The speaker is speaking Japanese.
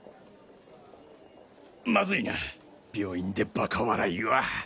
マズいな病院でバカ笑いは